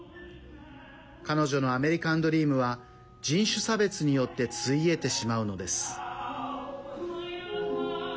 彼女のアメリカンドリームは人種差別によって費えてしまうのです。